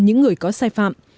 những người có sai phạm